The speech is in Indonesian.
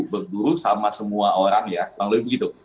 berburu sama semua orang ya kurang lebih begitu